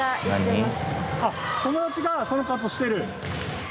友達がその活動をしてる？